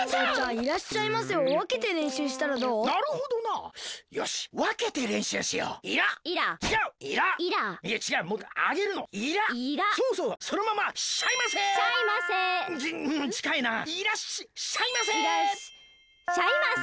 いらっしゃいませ！